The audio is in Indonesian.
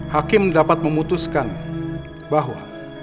hakim dapat memutuskan bahwa